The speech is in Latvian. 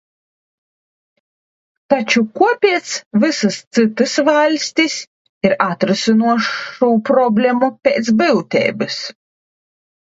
Taču, kāpēc visas citas valstis ir atrisinājušas šo problēmu pēc būtības?